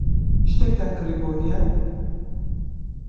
شتێکتان کڕی بۆ ڤیان.